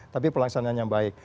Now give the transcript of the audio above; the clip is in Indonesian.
tapi pelaksanaannya baik